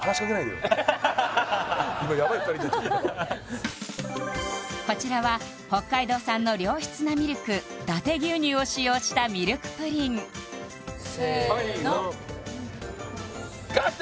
今やばい２人にこちらは北海道産の良質なミルクだて牛乳を使用したミルクプリンせーのガって！